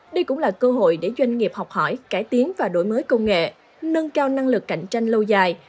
đây cũng là cơ hội để doanh nghiệp học hỏi cải tiến và đổi mới công nghệ nâng cao năng lực cạnh tranh lâu dài